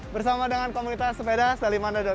bersama dengan komunitas sepeda dari manado